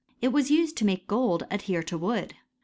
It was used t^ make gold adhere to wood.